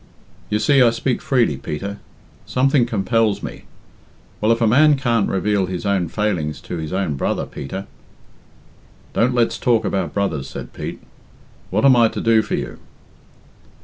"You see I speak freely, Peter something compels me. Well, if a man can't reveal his little failings to his own brother, Peter " "Don't let's talk about brothers," said Pete. "What am I to do for you?"